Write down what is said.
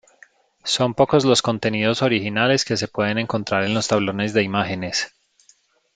Son pocos los contenidos originales que se pueden encontrar en los tablones de imágenes.